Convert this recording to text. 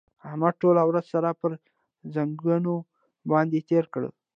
احمد ټوله ورځ سر پر ځنګانه باندې تېره کړه.